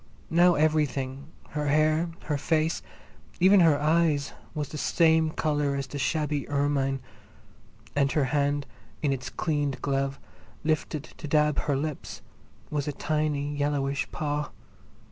Now everything, her hair, her face, even her eyes, was the same colour as the shabby ermine, and her hand, in its cleaned glove, lifted to dab her lips, was a tiny yellowish paw.